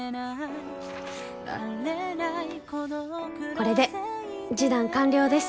これで示談完了です。